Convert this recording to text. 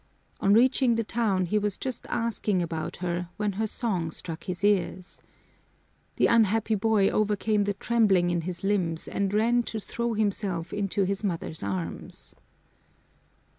On reaching the town he was just asking about her when her song struck his ears. The unhappy boy overcame the trembling in his limbs and ran to throw himself into his mother's arms.